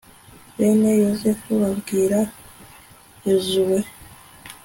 bene yozefu babwira yozuwe